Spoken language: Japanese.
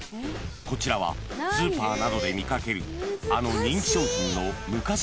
［こちらはスーパーなどで見かけるあの人気商品の昔のパッケージ］